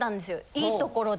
いいところで。